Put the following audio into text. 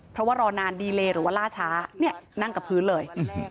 เพราะว่ารอนานดีเลหรือว่าล่าช้าเนี่ยนั่งกับพื้นเลย